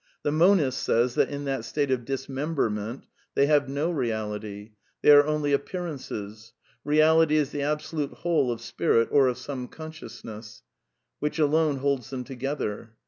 The monist says that in tkat state of dismemberment they have no isality ; they are only appearances; Keality is the Absolute whole of Spifit (or of some consciousness) which alone holds them together.